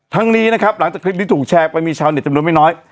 ทั้งนี้นะครับหลังจากคลิปนี้ถูกแชร์ไปมีชาวเน็ตจำนวนไม่น้อย